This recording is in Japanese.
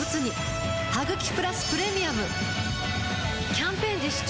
キャンペーン実施中